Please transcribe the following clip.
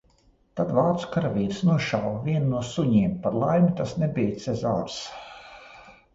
Tad vācu karavīrs nošāva vienu no suņiem, par laimi tas nebija Cezārs.